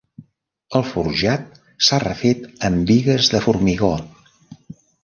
El forjat s'ha refet amb bigues de formigó.